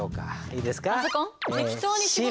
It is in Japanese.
いいですか？